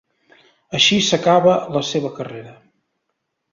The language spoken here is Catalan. Així s'acaba la seva carrera.